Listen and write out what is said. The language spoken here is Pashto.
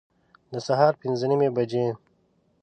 د سهار پنځه نیمي بجي